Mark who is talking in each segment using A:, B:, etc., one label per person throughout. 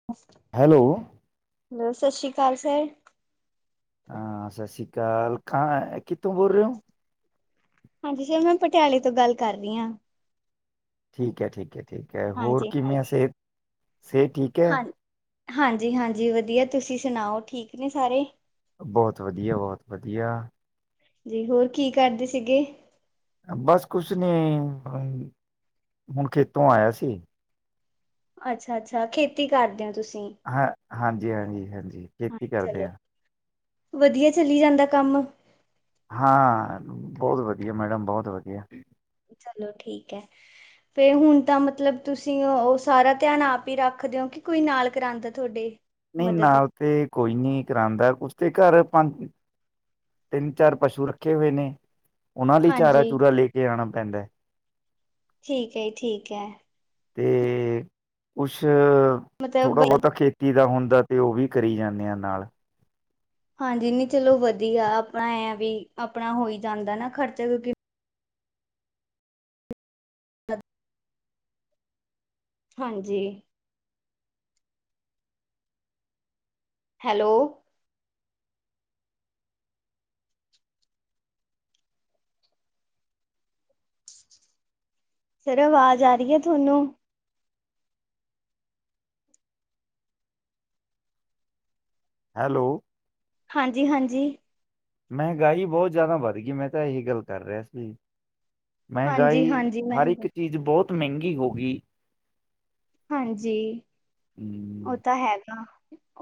A: [unintelligible]
B: Hello
A: hello ਸਤਿ ਸ਼੍ਰੀ ਕਾਲ ਸਰ
B: ਸਤਿ ਸ਼੍ਰੀ ਕਾਲ ਕਾਹ ਐ ਕਿਥੋ ਬੋਲ ਰਹੇ ਹੋ
A: ਹਾਂਜੀ ਮੈਂ ਪਟਿਆਲੇ ਤੋਂ ਗੱਲ ਕਰੀ ਆਂ
B: ਠੀਕ ਹ ਠੀਕ ਹ ਹੋਰ
A: ਹਾਂਜੀ
B: ਕੀਮੀਆ
A: ਹਾਂਜੀ
B: ਸੇਫ ਸੇਕ ਠੀਕ ਹ
A: ਹਾਂ ਹਾਂਜੀ ਹਾਂਜੀ ਵਧੀਆ ਤੁਸੀਂ ਸੁਣਾਓ ਠੀਕ ਨੇ ਸਾਰੇ
B: ਬਹੋਤ ਵਧੀਆ ਬਹੋਤ ਵਧੀਆ
A: ਤੇ ਹੋਰ ਕੀ ਕਰਦੇ ਸੀਗੇ
B: ਬਸ ਕੁਛ ਨੀ ਹੁਨ ਖੇਤੋਂ ਆਇਆ ਸੀ
A: ਅੱਛਾ ਅੱਛਾ ਖੇਤੀ ਕਰਦੇ ਆ ਤੁਸੀਂ
B: ਹਾਂਜੀ ਹਾਂਜੀ
A: ਹਾਂ
B: ਖੇਤੀ ਕਰਦੇ
A: ਚਲੋ ਵਧੀਆ ਚਲੀ ਜਾਂਦਾ ਕੰਮ
B: ਹਾਂ ਬਹੋਤ ਵਧੀਆ ਮੈਡਮ ਬਹੋਤ ਵਧੀਆ
A: ਚਲੋ ਠੀਕ
B: [inaudible]
A: ਤੇ ਹੁਨ ਤਾ ਮਤਲਬ ਤੁਸੀਂ ਸਾਰਾ ਧਿਆਨ ਆਪ ਹੀ ਰੱਖਦੇ ਹੋ ਕਿ ਕੋਈ ਨਾਲ ਕਰਾਉਂਦਾ ਤੁਹਾਡੇ
B: ਨਹੀਂ
A: ਮਦਦ
B: ਨਾਲ ਤੇ ਕੋਈ ਨੀ ਕਰਾਂਦਾ ਉਸਦੇ ਘਰ ਪੰਜ। ਤਿੰਨ ਚਾਰ ਪਸ਼ੂ ਰੱਖੇ ਹੋਏ ਨੇ। ਉਹਨਾ ਲਈ ਚਾਰਾ
A: ਹਾਂਜੀ
B: ਚੂਰਾ ਲੈ ਕੇ ਆਣਾ ਪੈਂਦੈ।
A: ਠੀਕੇ ਠੀਕੈ।
B: ਤੇ ਕੁਛ
A: ਮਤਲਬ
B: ਥੋੜਾ
A: ਬ-
B: ਬਹੋਤਾ ਖੇ ਤੀ ਦਾ ਹੁੰਦਾ ਤੇ ਉਹ ਵੀ ਕਰੀ ਜਾਂਦੇ ਆ ਨਾਲ।
A: ਹਾਂਜੀ ਨੀ ਚਲੋ ਵਧੀਆ ਆਪਣਾ ਐ ਵੀ ਆਪਣਾ ਹੋਈ ਜਾਂਦਾ ਨਾ ਖ਼ਰਚਾ ਕਿਉਂਕਿ [unintelligible] ਹਾਂਜੀ। ਹੈਲੋ ਸਰ ਆਵਾਜ਼ ਆ ਰਹੀ ਆ ਤੁਹਾਨੂੰ।
B: ਹੈਲੋ
A: ਹਾਂਜੀ-ਹਾਂਜੀ।
B: ਮਹਿੰਗਾਈ ਬਹੋਤ ਜਿਆਦਾ ਵੱਧ ਗਈ ਮੈਂ ਤਾਂ ਇਹੀ ਗੱਲ ਕਰ ਰਿਹਾ ਸੀ।
A: ਹਾਂਜੀ
B: ਮਹਿੰਗਾਈ
A: ਹਾਂਜੀ ਮੈਂ
B: ਹਰ ਇੱਕ ਚੀਜ਼ ਬਹੋਤ ਮਹਿੰਗੀ ਹੋ ਗਈ।
A: ਹਾਂਜੀ ਉਹ
B: ਹਮ
A: ਤਾਂ ਹੈਗਾ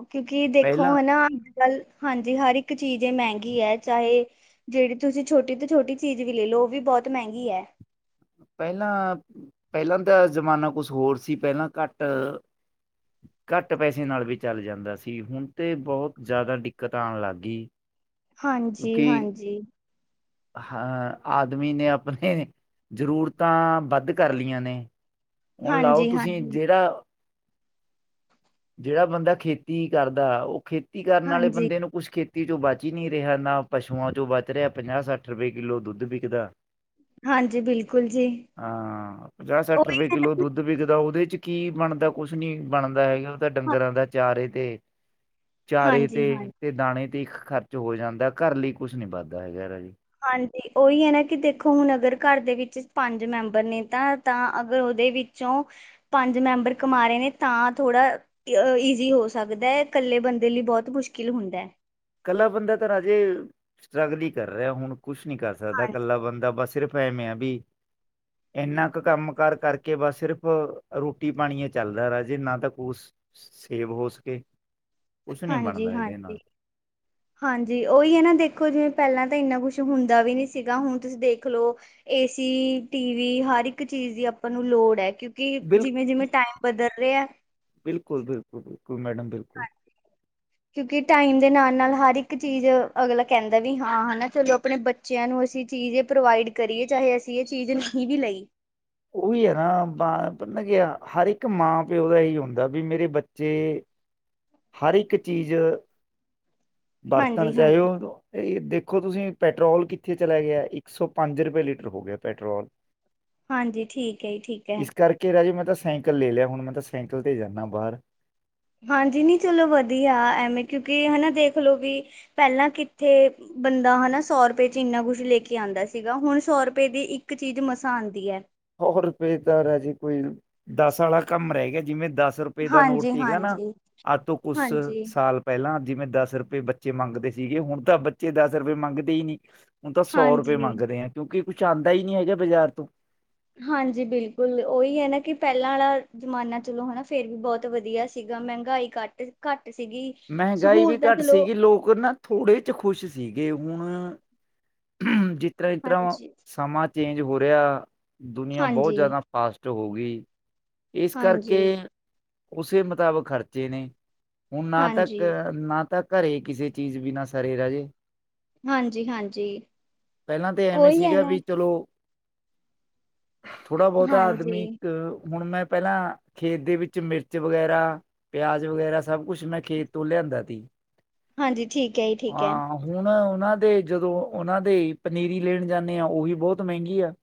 A: ਕਿਉਂਕਿ ਦੇਖੋ
B: ਪਹਿਲਾਂ
A: ਹਨਾ ਗੱਲ ਹਾਂਜੀ ਹਰ ਇੱਕ ਚੀਜ਼ ਇਹ ਮਹਿੰਗੀ ਹੈ ਚਾਹੇ ਜਿਹੜੀ ਤੁਸੀਂ ਛੋਟੀ ਤੋਂ ਛੋਟੀ ਚੀਜ਼ ਵੀ ਲੈ ਲਓ ਉਹ ਵੀ ਬਹੁਤ ਮਹਿੰਗੀ ਹੈ।
B: ਪਹਿਲਾਂ ਪਹਿਲਾਂ ਦਾ ਜ਼ਮਾਨਾ ਕੁਛ ਹੋਰ ਸੀ ਪਹਿਲਾਂ ਘੱਟ ਘੱਟ ਪੈਸੇ ਨਾਲ ਵੀ ਚੱਲ ਜਾਂਦਾ ਸੀ ਹੁਣ ਤੇ ਬਹੁਤ ਜ਼ਿਆਦਾ ਦਿੱਕਤ ਆਣ ਲੱਗ ਗਈ। ਕਿਉਂਕਿ
A: ਹਾਂਜੀ-ਹਾਂਜੀ
B: ਹਾਂ ਆਦਮੀ ਨੇ ਆਪਨੇ ਜ਼ਰੂਰਤਾਂ ਵੱਧ ਕਰ ਲਈਆਂ ਨੇ ਹੁਨ ਲਾਓ
A: ਹਾਂਜੀ
B: ਤੁਸੀਂ
A: ਹਾਂਜੀ
B: ਜਿਹੜਾ। ਜਿਹੜਾ ਬੰਦਾ ਖੇਤੀ ਕਰਦਾ ਓਹ ਖੇਤੀ ਕਰਨ ਵਾਲੇ
A: ਹਾਂਜੀ
B: ਬੰਦੇ ਨੂੰ ਪੁਛ ਖੇ ਤੀ ਚੋਂ ਬਚ ਹੀ ਨਹੀਂ ਰਿਹਾ' ਨਾ ਪਸੂਆਂ ਚੋਂ ਬਚ ਰਿਹਾ। ਪੰਜਾਹ- ਸੱਠ ਰੁਪਏ ਕਿੱਲੋ ਦੁੱਧ ਵਿਕਦਾ।
A: ਹਾਂਜੀ, ਬਿਲਕੁਲ ਜੀ।
B: ਹਾਂ, ਪੰਜਾਹ- ਸੱਠ
A: ਉਹੀ
B: ਰੁਪਏ
A: ਹੈ
B: ਕਿੱਲੋ
A: ਨਾ
B: ਦੁੱਧ ਵਿਕਦਾ। ਉਹਦੇ ਚ' ਕੀ ਬਣਦਾ ਕੁਛ ਨੀ ਬਣਦਾ ਹੈਗਾ। ਤਾਂ ਡੰਗਰਾਂ ਦਾ ਚਾਰੇ ਤੇ' ਚਾਰੇ ਤੇ
A: ਹਾਂਜੀ ਹਾਂਜੀ
B: ਤੇ ਦਾਣੇ ਤੇ ਖਰਚ ਹੋ ਜਾਂਦਾ। ਘਰ ਲਈ ਕੁਛ ਨੀ ਵੱਧਦਾ ਹੈਗਾ ਜੀ।
A: ਹਾਂਜੀ। ਉਹੀ ਹੈ ਨਾ ਕਿ ਦੇਖੋ, ਹੁਣ ਅਗਰ ਘਰ ਦੇ ਵਿੱਚ ਪੰਜ ਮੈਂਬਰ ਨੇ' ਤਾਂ ਤਾਂ ਅਗਰ ਉਹਦੇ ਵਿੱਚ ਕਿਉੰ, ਪੰਜ ਮੈਂਬਰ ਕਮਾ ਰਹੇ ਨੇ ਤਾਂ ਥੋੜਾ- ਈਜ਼ੀ ਹੋ ਸਕਦਾ ਹੈ। ਇਕੱਲੇ ਬੰਦੇ ਲਈ ਬਹੁਤ ਮੁਸ਼ਕਿਲ ਹੁੰਦਾ ਹੈ।
B: ਇਕੱਲਾ ਬੰਦਾ ਤਾਂ ਰਾਜੇ, ਸਟਰਗਲ ਹੀ ਕਰ ਰਿਹਾ। ਹੁਣ ਕੁਛ ਨਹੀਂ ਕਰ ਸਕਦਾ
A: ਹਾਂ
B: ਇਕੱਲਾ ਬੰਦਾ ਬਸ ਸਿਰਫ। ਪਏ ਮੈਂ ਵੀ। ਇੰਨਾ ਕੁ ਕੰਮ- ਕਾਰ ਕਰਕੇ ਬਸ ਸਿਰਫ ਰੋਟੀ -ਪਾਣੀ ਚੱਲਦਾ ਰਾਜੇ। ਨਾ ਤ ਕੁ ਸੇਵ ਹੋ ਸਕੇ। ਕੁਛ ਨਹੀਂ ਬਣਦਾ ਇਹਦੇ
A: ਹਾਂਜੀ-ਹਾਂਜੀ।
B: ਨਾਲ
A: ਹਾਂਜੀ। ਉਹੀ ਹੈ ਨਾ ਦੇਖੋ, ਜਿਵੇਂ ਪਹਿਲਾਂ ਤਾਂ ਇੰਨਾ ਕੁਛ ਹੁੰਦਾ ਵੀ ਨਹੀ ਸੀਗਾ। ਹੁਣ ਤੁਸੀਂ ਦੇਖ ਲਓ। ਏ ਸ, 'ਟੀ ਵੀ 'ਹਰ ਇੱਕ ਚੀਜ਼ ਦੀ ਆਪਾਂ ਨੂੰ ਲੋੜ ਹੈ। ਕਿਉਕਿ ਕਿ ਜਿਵੇਂ- ਜਿਵੇਂ ਟਾਈਮ ਬਦਲ ਰਿਹਾ ਆ।
B: ਬਿਲਕੁਲ-ਬਿਲਕੁਲ-ਬਿਲਕੁਲ ਮੈਡਮ ਬਿਲਕੁਲ।
A: ਕਿਉਂਕਿ ਟਾਈਮ ਦੇ ਨਾਲਾ ਨਾਲ ਹਰ ਇੱਕ ਚੀਜ਼ ਅਗਲਾ ਕਹਿੰਦਾ ਵੀ ਹਾਂ, ਹਨਾ। ਚਲੋ ਆਪਣੇ ਬੱਚੇ ਬੱਚਿਆਂ ਨੂੰ ਅਸੀਂ ਚੀਜ਼ ਇਹ ਪ੍ਰੋਵਾਈਡ ਕਰੀਏ। ਚਾਹੇ ਅਸੀਂ ਇਹ ਚੀਜ਼ ਨਹੀਂ ਵੀ ਲਈ।
B: ਉਹੀ ਹੈ ਨਾ, ਕਿਹਾ ਹਰ ਇੱਕ ਮਾਂ -ਪਿਓ ਦਾ ਇਹੀ ਹੁੰਦਾ ਵੀ ਮੇਰੇ ਬੱਚੇ। ਹਰ ਇੱਕ ਚੀਜ਼ ਬਰਤਣ
A: ਹਾਂਜੀ ਹਾਂਜੀ
B: ਚਾਹੀਔ ਤੋਂ ਦੇਖੋ, ਤੁਸੀਂ ਪੈਟਰੋਲ ਕਿੱਥੇ ਚਲਾ ਗਿਆ। ਇੱਕ ਸੌ ਪੰਜ ਰੁਪਏ ਲੀਟਰ ਹੋ ਗਿਆ ਪੈਟਰੋਲ।
A: ਹਾਂਜੀ। ਠੀਕ ਹੈ, ਠੀਕ ਹੈ।
B: ਕੀ ਏ ਰਾਜੇ, ਮੈਂ ਤਾਂ ਸੇਂਕਲ ਲੈ ਲਿਆ, ਹੁਣ ਮੈਂ ਤਾਂ ਸਾਈਕਲ ਤੇ ਜਾਂਦਾ ਬਾਹਰ।
A: ਹਾਂਜੀ ਨੀ ਚਲੋ ਵਧੀਆ, ਐਵੇਂ ਕਿਉਂ ਕਹਿਏ ਹੈਨਾ। ਦੇਖਲੋ ਵੀ, ਪਹਿਲਾਂ ਕਿੱਥੇ ਬੰਦਾ ਹੈਨਾ ਸੌ ਰੁਪਏ ਚ ਇੰਨਾ ਕੁਛ ਲੈਕੇ ਆਉਂਦਾ ਸੀਗਾ। ਹੁਣ ਸੌ ਰੁਪਏ ਦੀ ਇੱਕ ਚੀਜ਼ ਮਸਾਂ ਆਉਂਦੀ ਹੈ।
B: ਬਹੁਤ ਬੇਹਤਰ ਹੈ ਜੇ ਕੋਈ, ਦਸ ਵਾਲਾ ਕੰਮ ਰਹਿ ਗਿਆ। ਜਿਵੇਂ ਦਸ ਰੁਪਏ ਦਾ ਨੋਟ
A: ਹਾਂਜੀ
B: ਸੀਗਾ ਨਾ
A: ਹਾਂਜੀ
B: ਅੱਜ ਤੋਂ ਕੁਛ
A: ਹਾਂਜੀ
B: ਸਾਲ ਪਹਿਲਾਂ ਜਿਵੇਂ ਦਸ ਰੁਪਏ ਬੱਚੇ ਮੰਗਦੇ ਸੀਗੇ। ਹੁਣ ਤਾਂ ਬੱਚੇ ਦਸ ਰੁਪਏ ਮੰਗਦੇ ਹੀ ਨਹੀਂ। ਹੁਣ ਤਾਂ ਸੌ ਰੁਪਏ
A: ਹਾਂਜੀ
B: ਮੰਗਦੇ ਆ। ਕਿਉਂਕਿ, ਕੁਛ ਆਉਂਦਾ ਹੀ ਨਹੀਂ ਹੈਗਾ ਬਾਜ਼ਾਰ ਤੋਂ
A: ਹਾਂਜੀ ਬਿਲਕੁਲ, ਉਹੀ ਹੈ ਨਾ ਕਿ ਪਹਿਲਾਂ ਵਾਲਾ ਜ਼ਮਾਨਾ ਚਲੋ ਹੈਨਾ ਫੇਰ ਵੀ ਬਹੁਤ ਵਧੀਆ ਸੀਗਾ। ਮੰਹਗਾਈ ਘੱਟ- ਘੱਟ ਸੀਗੀ।
B: ਮਂਹਗਾਈ ਵੀ
A: ਸਹੂਲਤਾਂ
B: ਘੱਟ
A: ਚਲੋ
B: ਸੀਗੀ। ਲੋਕ ਨਾ ਥੋੜ੍ਹੇ ਚ ਖ਼ੁਸ਼ ਸੀਗੇ। ਹੁਣ ਜਿਤਰ੍ਹਾਂ -ਜਿਤਰ੍ਹਾਂ
A: ਹਾਂਜੀ
B: ਸਮਾਂ ਚੇਂਜ ਹੋ ਰਿਹਾ। ਦੁਨੀਆਂ ਬਹੁਤ
A: ਹਾਂਜੀ
B: ਜ਼ਿਆਦਾ ਫਾਸਟ ਹੋ ਗਈ। ਇਸ ਕਰਕੇ
A: ਹਾਂਜੀ
B: ਉਸੇ ਮੁਤਾਬਕ ਖਰਚੇ ਨੇ। ਹੁਣ ਨਾ ਤਾਂ
A: ਹਾਂਜੀ
B: ਨਾ ਤਾਂ ਘਰੇ ਕਿਸੇ ਚੀਜ਼ ਬਿਨਾ ਸਰੇ ਰਾਜੇ।
A: ਹਾਂਜੀ ਹਾਂਜੀ
B: ਪਹਿਲਾਂ ਤਾਂ ਐਵੇਂ
A: ਉਹੀ ਹੈ
B: ਸੀਗਾ
A: ਨਾ
B: ਵੀ ਚਲੋ ਥੋੜਾ ਬਹੁਤਾ
A: ਹਾਂਜੀ
B: ਆਦਮੀ, ਇਕ ਹੁਣ ਮੈਂ ਪਹਿਲਾ ਖੇਤ ਦੇ ਵਿੱਚ ਮਿਰਚ ਵਗੈਰਾ, ਪਿਆਜ ਵਗੈਰਾਸਭ ਕੁਛ ਮੈਂ ਖੇਤ ਤੋਂ ਲਿਆਂਦਾ ਸੀ।
A: ਹਾਂਜੀ। ਠੀਕ ਹੈ ਜੀ, ਠੀਕ ਹੈ।
B: ਹੁਣ ਉਹਨਾਂ ਦੇ ਜਦੋਂ ਉਹਨਾਂ ਦੇ ਪਨੀਰੀ ਲੈਣ ਜਾਂਦੇ ਆਂ ਉਹੀ ਬਹੁਤ ਮਹਿੰਗੀ ਆ।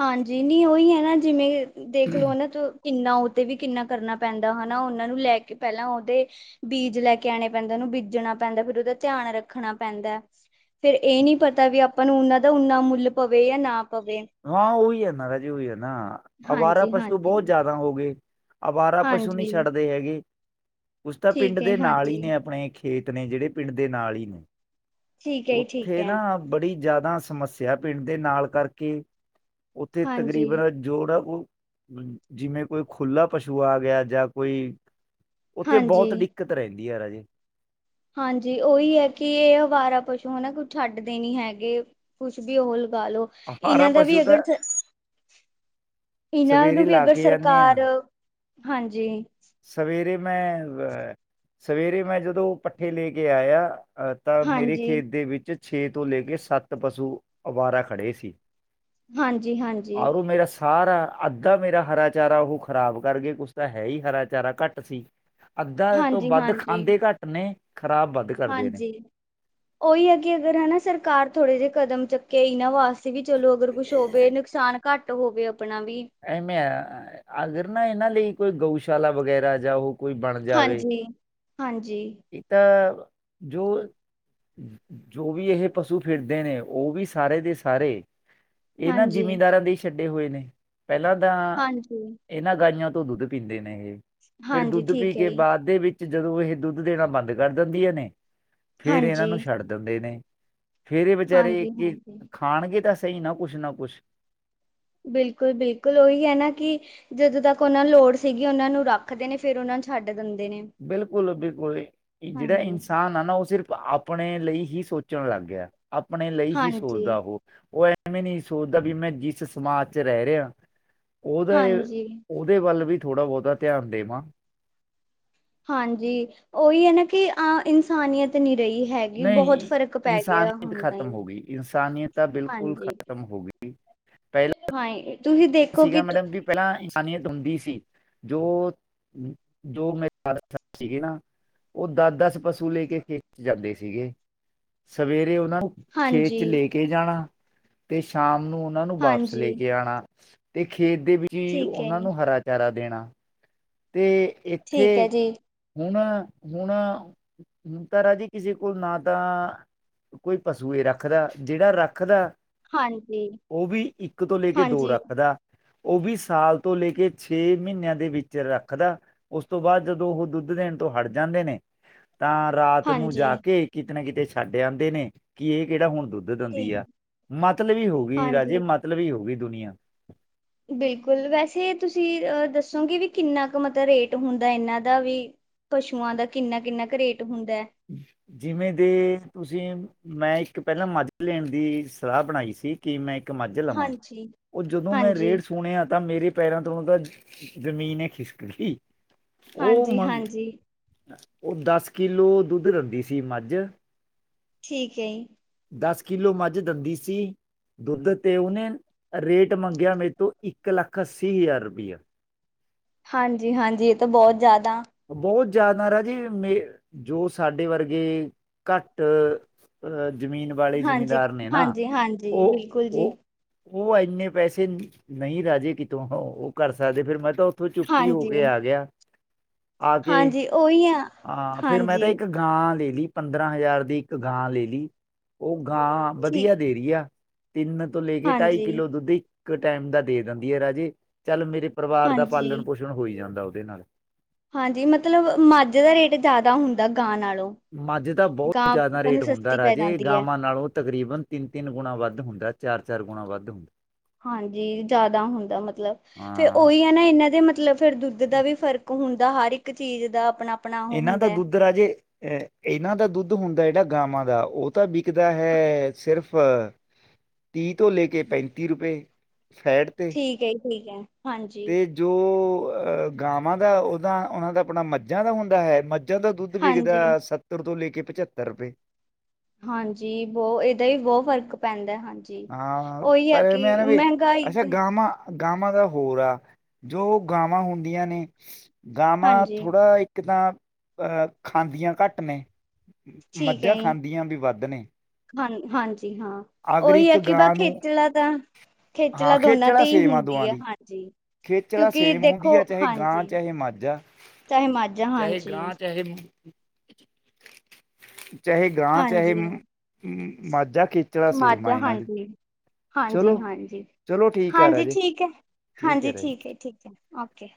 A: ਹਾਂਜੀ। ਨੀ ਉਹੀ ਹੈ ਨਾ, ਜਿਵੇਂ ਦੇਖਲੋ ਨਾ ਤ ਕਿੰਨਾ ਉਹਤੇ ਵੀ ਕਿੰਨਾ ਕਰਨਾ ਪੈਂਦਾ ਹਨਾ। ਉਹਨਾਂ ਨੂੰ ਲੈ ਕੇ ਪਹਿਲਾਂ ਉਹਦੇ ਬੀਜ ਲੈ ਕੇ ਆਉਣੇ ਪੈਂਦੇ, ਉਹਨੂੰ ਬੀਜਣਾ ਪੈਂਦਾ ਫੇਰ ਉਹਦਾ ਧਿਆਨ ਰੱਖਣਾ ਪੈਂਦਾ। ਤੇ ਇਹ ਨੀ ਪਤਾ ਵੀ ਆਪਾਂ ਨੂੰ ਉਨਾਂ ਦਾ ਉਨਾ ਮੁੱਲ ਪਵੇ ਜਾਂ ਨਾ ਪਵੇ।
B: ਹਾਂ, ਉਹੀ ਹੈ ਨਾ ਰਾਜੇ ਉਹੀ ਹੈ ਨਾ, ਅਵਾਰਾ
A: ਹਾਂਜੀ
B: ਪਸ਼ੂ
A: ਹਾਂਜੀ
B: ਬਹੁਤ ਜਿਆਦਾ ਹੋ ਗਏ। ਅਵਾਰਾ ਪਸ਼ੂ ਨੀ
A: ਹਾਂਜੀ
B: ਛੱਡਦੇ ਹੈਗੇ। ਕੁਛ ਤਾਂ ਪਿੰਡ
A: ਠੀਕ ਹੈ
B: ਦੇ ਨਾਲ
A: ਹਾਂਜੀ
B: ਹੀ ਨੇ ਅਪਣੇ ਖੇਤ ਨੇ ਜਿਹੜੇ ਪਿੰਡ ਦੇ ਨਾਲ ਹੀ।
A: ਠੀਕ ਹੈ ਜੀ ਠੀਕ
B: ਉੱਥੇ
A: ਹੈ
B: ਨਾ ਬੜੀ ਜਿਆਦਾ ਸਮੱਸਿਆ ਪਿੰਡ ਦੇ ਨਾਲ ਕਰਕੇ, ਉੱਥੇ
A: ਹਾਂਜੀ
B: ਤਕਰੀਬਨ ਜੋੜ ਆ ਔ, ਜਿਵੇਂ ਕੋਈ ਖੁਲਾ ਪਸੂ ਆ ਗਿਆ ਜਾਂ ਕੋਈ ਉੱਥੇ
A: ਹਾਂਜੀ
B: ਬਹੁਤ ਦਿੱਕਤ ਰਹਿੰਦੀ ਹੈ ਰਾਜੇ।
A: ਹਾਂਜੀ ਉਹੀ ਹੈ ਕਿ ਇਹ ਅਵਾਰਾ ਪਸੂ ਹੈਨਾ ਕੁਛ ਛੱਡਦੇ ਨੀ ਹੈਗੇ। ਕੁਛ ਵੀ ੳਹ ਲਗਾ ਲੋ
B: ਹਰਾ
A: ਇਹਨਾਂ ਦਾ ਵੀ
B: ਪਸ਼ੂ ਤਾਂ
A: ਅਗਰ, ਇਹਨਾਂ
B: ਸਵੇਰੇ
A: ਨੂੰ ਵੀ
B: ਲਾ
A: ਅਗਰ
B: ਕੇ ਆਨੇ ਆ
A: ਸਰਕਾਰ ਹਾਂਜੀ।
B: ਸਵੇਰੇ ਮੈਂ ਅਹ ਸਵੇਰੇ ਮੈਂ ਜਦੋਂ ਪੱਠੇ ਲੇ ਕੇ ਆਇਆ ਅਹ ਤਾਂ ਮੇਰੇ
A: ਹਾਂਜੀ
B: ਖੇਤ ਦੇ ਵਿੱਚ ਛੇ ਤੋਂ ਲੈ ਕੇ ਸੱਤ ਪਸੂ ਅਵਾਰਾ ਖੜ੍ਹੇ ਸੀ।
A: ਹਾਂਜੀ ਹਾਂਜੀ
B: ਆਰੋ ਮੇਰਾ ਸ ਆ ਰਾ ਅੱਧਾ ਮੇਰਾ ਹਰਾ ਚਾਰਾ ਉਹ ਖਰਾਬ ਕਰ ਗਏ, ਕੁਛ ਤਾਂ ਹੈ ਹੀ ਹਰਾ ਚਾਰਾ ਘੱਟ ਸੀ। ਅੱਧਾ ਤੋਂ
A: ਹਾਂਜੀ
B: ਵੱਧ
A: ਹਾਂਜੀ
B: ਖਾਂਦੇ ਘੱਟ ਨੇ ਖ਼ਰਾਬ ਵੱਧ ਕਰਦੇ ਨੇ
A: ਹਾਂਜੀ। ਉਹੀ ਹੈ ਕਿ ਅਗਰ ਹੈਨਾ ਸਰਕਾਰ ਥੋੜੇ ਜਿਹੇ ਕਦਮ ਚੁੱਕੇ ਇਹਨਾਂ ਵਾਸਤੇ, ਵੀ ਚਲੋ ਅਗਰ ਕੁਛ ਹੋਵੇ ਨੁਕਸਾਨ ਘੱਟ ਹੋਵੇ ਅਪਣਾ ਵੀ
B: ਐਵੇਂ ਆ ਅਗਰ ਨਾ ਇਹਨਾਂ ਲਈ ਕੋਈ ਗਊਸ਼ਾਲਾ ਵਗੈਰਾ ਜਾਂ ਉਹ ਕੋਈ ਬਣ ਜਾਵੇ
A: ਹਾਂਜੀ ਹਾਂਜੀ
B: ਇਹ ਤਾਂ ਜੋ ਜੋ ਵੀ ਇਹ ਪਸੂ ਫਿਰਦੇ ਨੇ ਉਹ ਵੀ ਸਾਰੇ ਦੇ ਸਾਰੇ ਇਹ ਨਾਂ
A: ਹਾਂਜੀ
B: ਜ਼ਿਮੀਦਾਰਾਂ ਦੇ ਛੱਡੇ ਹੋਏ ਨੇ। ਪਹਿਲਾਂ ਤਾਂ
A: ਹਾਂਜੀ
B: ਇਹਨਾਂ ਗਾਈਆਂ ਤੋਂ ਦੁੱਧ ਪੀਂਦੇ ਨੇ ਇਹ, ਫਿਰ
A: ਹਾਂਜੀ
B: ਦੁੱਧ ਪੀ
A: ਠੀਕ ਹੈ
B: ਕੇ
A: ਜੀ
B: ਬਾਦ ਦੇ ਵਿੱਚ ਜਦੋਂ ਇਹ ਦੁੱਧ ਦੇਣਾ ਬੰਦ ਕਰ ਦਿੰਦੀਆਂ ਨੇ, ਫੇਰ ਇਹਨਾਂ
A: ਹਾਂਜੀ
B: ਨੂੰ ਛੱਡ ਦਿੰਦੇ ਨੇ। ਫੇਰ ਏ ਵਿਚਾਰੇ
A: ਹਾਂਜੀ
B: ਕਿ
A: ਹਾਂਜੀ
B: ਖਾਣਗੇ ਤਾਂ ਸਹੀ ਨਾ ਕੁਛ ਨਾ ਕੁਛ
A: ਬਿਲਕੁਲ ਬਿਲਕੁਲ ਉਹੀ ਹੈ ਨਾ ਕਿ ਜਦੋਂ ਤੱਕ ਉਹਨਾਂ ਲੋੜ ਸੀਗੀ ਉਹਨਾਂ ਨੂੰ ਰੱਖਦੇ ਨੇ ਫਿਰ ਉਹਨਾਂ ਨੂੰ ਛੱਡ ਦਿੰਦੇ
B: ਬਿਲਕੁਲ ਵੀ ਕੋਈ ਜਿਹੜਾ
A: ਹਾਂਜੀ
B: ਇਨਸਾਨ ਆ ਨਾ ਉਹ ਸਿਰਫ ਆਪਣੇ ਲਈ ਹੀ ਸੋਚਣ ਲੱਗ ਗਿਆ ਆਪਣੇ ਲਈ ਹੀ
A: ਹਾਂਜੀ
B: ਸੋਚਦਾ ਉਹ ਉਹ ਐਵੇਂ ਨਹੀਂ ਸੋਚਦਾ ਵੀ ਮੈਂ ਜਿਸ ਸਮਾਜ ਚ ਰਹਿ ਰਿਹਾ ਉਹਦੇ
A: ਹਾਂਜੀ
B: ਉਹਦੇ ਵੱਲ ਵੀ ਥੋੜਾ ਬਹੁਤਾ ਧਿਆਨ ਦੇਵਾਂ
A: ਹਾਂਜੀ ਉਹੀ ਹ ਨਾ ਕਿ ਇਨਸਾਨੀਅਤ ਨੀ ਰਹੀ ਹੈਗੀ ਬਹੁਤ
B: ਨਹੀਂ
A: ਫਰਕ ਪੈ ਗਿਆ
B: ਇਨਸਾਨੀਅਤ
A: ਹੁਣ
B: ਖਤਮ ਹੋ ਗਈ ਇਨਸਾਨੀਅਤ ਤਾਂ
A: ਟਾਈਮ
B: ਬਿਲਕੁਲ
A: ਤੇ
B: ਖਤਮ ਹੋ ਗਈ ਪਹਿਲਾਂ
A: ਹਾਂ ਦੇਖੋ
B: ਸੀਗਾ
A: ਕਿ ਤੁ-
B: ਮੈਡਮ ਜੀ ਪਹਿਲਾਂ ਇਨਸਾਨੀਅਤ ਹੁੰਦੀ ਸੀ ਜੋ ਜੋ ਜਿਮੀਦਾਰ ਸੀ ਉਹ ਉਹ ਦਸ-ਦਸ ਪਸੂ ਤੂੰ ਲੈ ਕੇ ਜਾਂਦੀ ਸੀਗੇ ਸਵੇਰੇ ਉਹਨਾਂ ਨੂੰ ਖੇਤ
A: ਹਾਂਜੀ
B: ਚ ਲੇ ਇਹ ਜਾਣਾ ਤੇ ਸ਼ਾਮ ਨੂੰ ਉਹਨਾਂ ਨੂੰ ਵਾਪਸ ਲੈ
A: ਹਾਂਜੀ
B: ਕੇ ਆਉਣਾ ਤੇ ਖੇਤ ਦੇ ਵਿੱਚ ਹੀ
A: ਠੀਕ ਹੈ
B: ਉਹਨਾਂ
A: ਜੀ
B: ਨੂੰ ਹਰਾ ਚਾਰਾ ਦੇਣਾ ਤੇ ਇੱਥੇ
A: ਠੀਕ ਹੈ ਜੀ
B: ਹੁਣ ਹੁਣ ਤ ਰਾਾਜੀ ਕਿਸੇ ਕੋਲ ਨਾ ਤਾਂ ਕੋਈ ਪਸ਼ੂਏ ਰੱਖਦਾ ਜਿਹੜਾ ਰੱਖਦਾ
A: ਹਾਂਜੀ
B: ਉਹ ਵੀ ਇੱਕ ਤੋਂ ਲੈ ਕੇ ਦੋ
A: ਹਾਂਜੀ
B: ਰੱਖਦਾ ਉਹ ਵੀ ਸਾਲ ਤੋਂ ਲੈ ਕੇ ਛੇ ਮਹੀਨਿਆਂ ਦੇ ਵਿੱਚ ਚਿਰ ਰੱਖਦਾ। ਉਸ ਤੋਂ ਬਾਅਦ ਜਦੋਂ ਉਹ ਦੁੱਧ ਦੇਣ ਤੋਂ ਹਟ ਜਾਂਦੇ ਨੇ ਤਾਂ ਰਾਤ ਨੂੰ
A: ਹਾਂਜੀ
B: ਜਾ ਕੇ ਕਿਤੇ ਨਾ ਕਿਤੇ ਛੱਡ ਆਉਂਦੇ ਨੇ, ਕਿ ਇਹ ਕਿਹੜਾ ਹੁਣ ਦੁੱਧ ਦੇਂਦੀ
A: ਠੀਕ
B: ਆ, ਮਤਲਬੀ ਹੋ ਗਈ ਰਾਜੇ
A: ਹਾਂਜੀ
B: ਮਤਲਬ ਹੀ ਹੋ ਗਈ ਦੁਨੀਆ।
A: ਬਿਲਕੁਲ, ਵੈਸੇ ਤੁਸੀਂ ਦੱਸੋਗੇ ਵੀ ਕਿੰਨਾ ਕੁ ਮਤਲਬ ਰੇਟ ਹੁੰਦਾ ਇਹਨਾਂ ਦਾ ਵੀ ਪਸ਼ੂਆਂ ਦਾ ਕਿੰਨਾ ਕਿੰਨਾ ਕੁ ਰੇਟ ਹੁੰਦਾ
B: ਜਿਵੇਂ ਦੇ ਤੁਸੀਂ ਮੈਂ ਇੱਕ ਪਹਿਲਾਂ ਮੱਜਕ ਲੈਣ ਦੀ ਸਲਾਹ ਬਣਾਈ ਸੀ ਤੇ ਮੈਂ ਇੱਕ ਮੱਝ ਲਵਾਂ
A: ਹਾਂਜੀ
B: ਉਹ ਜਦੋਂ ਮੈਂ
A: ਹਾਂਜੀ
B: ਰੇਡ ਪੂਣੇ ਆ ਤਾਂ ਮੇਰੇ ਪੈਰਾਂ ਤੋਂ ਆਉਂਦਾ ਜਮੀਨ ਹ ਖਿਸਕ ਗਈ ਉਹ
A: ਹਾਂਜੀ
B: ਮੰਗ
A: ਹਾਂਜੀ
B: ਉਹ ਦਸ ਕਿਲੋ ਦੁੱਧ ਰਸੀ ਮੱਝ
A: ਠੀਕ ਹੈ
B: ਦਸ ਕਿਲੋ ਮੱਜ ਦਿੰਦੀ ਸੀ। ਦੁੱਧ ਤੇ ਉਹਨੇ ਰੇਟ ਮੰਗਿਆ ਮੇਤੋਂ ਇਕ ਲੱਖ ਅਸੀਂ ਹਜਾਰ ਰੁਪਿਆ
A: ਹਾਂਜੀ ਹਾਂਜੀ ਇਹ ਤਾਂ ਬਹੁਤ ਜਿਆਦਾ
B: ਬਹੁਤ ਜਿਆਦਾ ਰਾਜੇ ਜੋ ਸਾਡੇ ਵਰਗੇ ਘੱਟ ਜਮੀਨ ਵਾਲੇ
A: ਹਾਂਜੀ
B: ਜਿਮੀਦਾਰ ਨੇ ਨਾ
A: ਹਾਂਜੀ ਹਾਂਜੀ
B: ਉਹ
A: ਬਿਲਕੁਲ ਜੀ
B: ਉਹ ਉਹ ਇੰਨੇ ਪੈਸੇ ਨਹੀਂ ਰਾਜੇ ਕਿਤੋਂ ਉਹ ਕਰ ਸਕਦੇ ਫਿਰ ਮੈਂ ਤਾਂ ਚੁਸਤੀ ਹੋ
A: ਹਾਂਜੀ
B: ਕੇ ਆ ਗਿਆ ਆ ਕੇ
A: ਹਾਂਜੀ ਉਹੀ ਆ
B: ਫਿਰ ਮੈਂ ਤਾਂ
A: ਹਾਂਜੀ
B: ਇੱਕ ਕਾਂ ਦੇ ਪੰਦਰਾਂ ਹਜ਼ਾਰ ਦੀ ਇੱਕ ਗਾਂ ਲੈ ਲਈ ਉਹ ਗਾਂ
A: ਠੀਕ
B: ਵਧੀਆ ਢੇਰੀਆ ਤਿੰਨ ਤੋਂ ਲੈ ਕੇ ਟਾਈ
A: ਹਾਂਜੀ
B: ਕਿਲੋ ਦੁੱਧੀ ਕ ਟਾਈਮ ਦਾ ਦੇ ਦਿੰਦੀ ਹ ਰਾਜੇ ਚਲ ਮੇਰੇ ਪਰਿਵਾਰ ਦਾ
A: ਹਾਂਜੀ,
B: ਪਾਲਣ ਪੋਸ਼ਣ ਹੋਈ ਜਾਂਦਾ ਉਹਦੇ ਨਾਲ
A: ਹਾਂਜੀ ਮਤਲਬ ਮਝ ਦਾ ਰੇਟ ਜਿਆਦਾ ਹੁੰਦਾ ਗਾਂ ਨਾਲੋਂ
B: ਅੱਜ ਤਾਂ
A: ਗਾਂ
B: ਬਹੁਤ ਜ਼ਿਆਦਾ
A: ਆਪਾਂ ਨੂੰ
B: ਰੇਟ ਹੁੰਦਾ
A: ਸਸਤੀ ਪੈ
B: ਰਾਜੇ
A: ਜਾਂਦੀ ਐ,
B: ਗਾਵਾਂ ਨਾਲੋਂ ਤਕਰੀਬਨ ਤਿੰਨ ਤਿੰਨ ਗੁਣਾ ਵੱਧ ਹੁੰਦਾ ਚਾਰ ਚਾਰ ਗੁਣਾ ਵੱਧ
A: ਹਾਂਜੀ ਜਿਆਦਾ ਹੁੰਦਾ ਮਤਲਬ ਫਿਰ
B: ਹਾਂ
A: ਉਹੀ ਹ ਨਾ ਇਹਨਾਂ ਦੇ ਮਤਲਬ ਫਿਰ ਦੁੱਧ ਦਾ ਵੀ ਫਰਕ ਹੁੰਦਾ ਹਰ ਇੱਕ ਚੀਜ਼ ਦਾ ਆਪਣਾ
B: ਇਹਨਾਂ ਦਾ ਦੁੱਧ ਰਾਜੇ ਇਹਨਾਂ ਦਾ ਦੁੱਧ ਹੁੰਦਾ ਜਿਹੜਾ ਗਾਵਾਂ ਦਾ ਉਹ ਤਾਂ ਵਿਕਦਾ ਹੈ, ਸਿਰਫ ਤੀਹ ਤੋਂ ਲੈ ਕੇ ਪੈਣਤੀ ਰੁਪਏ ਸਾਡ
A: ਠੀਕ ਹੈ ਜੀ ਠੀਕ ਹੈ ਹਾਂਜੀ
B: ਜੋ ਗਾਵਾਂ ਦਾ ਉਹਦਾ ਉਹਨਾਂ ਦਾ ਆਪਣਾ ਮੱਜਾ ਦਾ ਹੁੰਦਾ ਹੈ। ਮਝਾ ਦਾ ਦੁੱਧ
A: ਹਾਂਜੀ,
B: ਵਿਕਦਾ ਸੱਤਰ ਤੋਂ ਲੈ ਕੇ ਪਚੱਤਰ ਰੁਪਏ
A: ਹਾਂਜੀ, ਬਹੁਤ, ਇਹਦਾ ਹੀ ਬਹੁਤ ਫ਼ਰਕ ਪੈਂਦਾ, ਹਾਂਜੀ। ਜੀ,
B: ਹਾਂ
A: ਉਹੀ ਹੈ
B: ਪਰ
A: ਕਿ
B: ਮੈਂ ਨਾ ਵੀ
A: ਮਹਿੰਗਾਈ
B: ਅੱਛਾ
A: ਤੇ
B: ਗਾਵਾਂ ਗਾਵਾਂ ਦਾ ਹੋਰ ਆ। ਜੋ ਗਾਵਾਂ ਹੁੰਦੀਆਂ ਨੇ, ਗਾਵਾਂ
A: ਹਾਂਜੀ,
B: ਥੋੜ੍ਹਾ ਇੱਕ ਕਿੱਦਾਂ ਅ ਖਾਂਦੀਆਂ ਘੱਟ ਨੇ, ਮੱਝਾਂ ਖਾਂਦੀਆਂ ਵੀ ਵੱਧ ਨੇ
A: ਹਨ, ਹਾਂਜੀ, ਹਾਂ।
B: ਅਗਰ
A: ਉਹੀ
B: ਇੱਕ
A: ਹੈ ਕਿ
B: ਗਾਂ
A: ਬਾਕੀ
B: ਨੂੰ
A: ਖੇਚਲਾਂ ਤਾਂ ਖੇਚਲਾਂ ਦੋਨਾਂ 'ਤੇ ਹੀ ਹੁੰਦੀ ਹੈ, ਹਾਂਜੀ।
B: ਖੇਚਲਾਂ
A: ਕਿਉਂਕਿ
B: ਸੇਮ
A: ਦੇਖੋ
B: ਹੁੰਦੀ ਹੈ, ਚਾਹੇ
A: ਹਾਂਜੀ
B: ਗਾਂ ਚਾਹੇ ਮੱਝ ਆ।
A: ਚਾਹੇ ਮਾਝਾ
B: ਚਾਹੇ
A: ਹਾਂਜੀ
B: ਗਾਂ ਚਾਹੇ ਚਾਹੇ ਗਾਂ ਚਾਹੇ
A: ਹਾਂਜੀ
B: ਮ ਮੱਝ ਆ ਖੇਚ
A: ਮੱਝ ਆ, ਹਾਂਜੀ।
B: ਚਲੋ
A: ਹਾਂਜੀ-ਹਾਂਜੀ,
B: ਚਲੋ ਠੀਕ ਆ
A: ਹਾਂਜੀ
B: ਰਾਜੇ
A: ਠੀਕ ਹੈ, ਹਾਂਜੀ, ਠੀਕ ਹੈ, ਠੀਕ ਹੈ, ਓਕੇ।